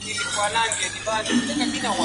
موږ په ګډه د بریا لپاره کار کوو.